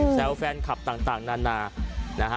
แซวแฟนคลับต่างนานา